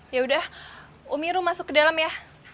yaudah umi lo masuk ke dalam ya